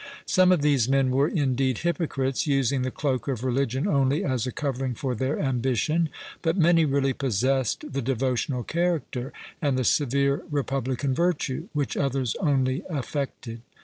Some of these men were indeed hypocrites, using the cloak of religion only as a covering for their ambition; but many really possessed the devotional character, and the severe republican virtue, which others only affected.